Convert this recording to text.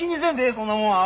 そんなもんは。